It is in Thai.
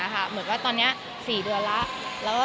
เหมือนว่าตอนนี้๔เดือนแล้ว